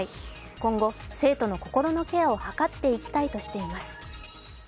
今後、生徒の心のケアをはかっていきたいとしています。